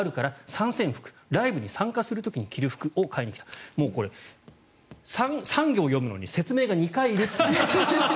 参戦服ライブに参加する時に着る服を買いに来た３行読むのに説明が２回いる。